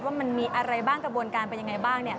ว่ามันมีอะไรบ้างกระบวนการเป็นยังไงบ้าง